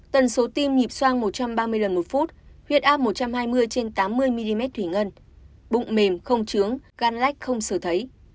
tần số tim nhịp soang một trăm ba mươi lần một phút huyện a một trăm hai mươi trên tám mươi mm thủy ngân bụng mềm không trướng gan lách không xử thấy